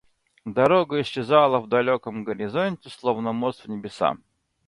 Дорога исчезала в далеком горизонте, словно мост в небеса.